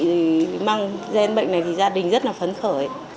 thì mang gen bệnh này thì gia đình rất là phấn khởi